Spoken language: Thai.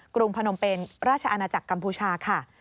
รุงพนมเป็นราชอาณาจักรกัมพูชาค่ะ